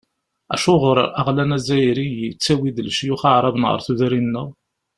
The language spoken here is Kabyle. Acuɣer aɣlan azzayri yettawi-d lecyux aɛraben ɣer tudrin-nneɣ?